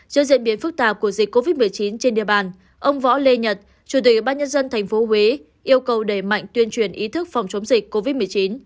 trước diễn biến phức tạp của dịch covid một mươi chín trên địa bàn ông võ lê nhật chủ tịch ủy ban nhân dân tp huế yêu cầu đẩy mạnh tuyên truyền ý thức phòng chống dịch covid một mươi chín